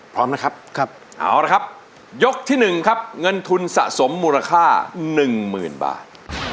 พร้อมนะครับครับเอาละครับยกที่๑ครับเงินทุนสะสมมูลค่า๑๐๐๐บาท